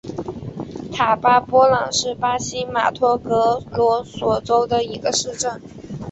塔巴波朗是巴西马托格罗索州的一个市镇。